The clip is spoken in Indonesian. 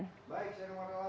baik saya rian hasri